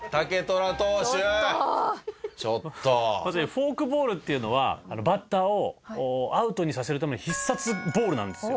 フォークボールっていうのはバッターをアウトにさせるための必殺ボールなんですよ。